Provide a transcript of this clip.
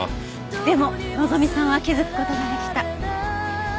でも希さんは気づく事ができた。